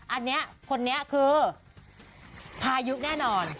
อันนี้คนนี้คือพายุแน่นอน